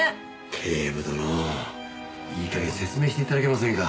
警部殿いい加減説明して頂けませんか？